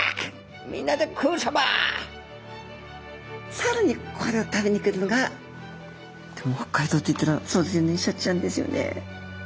更にこれを食べに来るのが北海道と言ったらそうですよねシャチちゃんですよね。